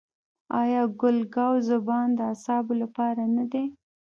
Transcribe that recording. آیا ګل ګاو زبان د اعصابو لپاره نه دی؟